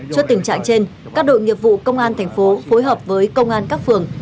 cho tình trạng trên các đội nghiệp vụ công an tp phối hợp với công an các phường